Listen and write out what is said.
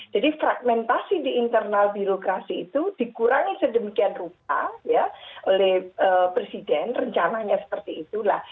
jadi fragmentasi di internal birokrasi itu dikurangi sedemikian rupa ya oleh presiden rencananya seperti itulah